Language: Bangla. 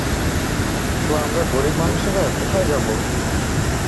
তো আমরা গরিব মানুষেরা কোথায় যাবো?